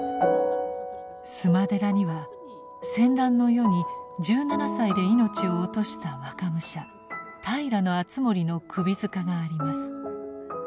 須磨寺には戦乱の世に１７歳で命を落とした若武者平敦盛の首塚があります。